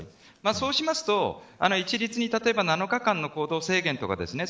そうすると一律に例えば７日間の行動制限とかですね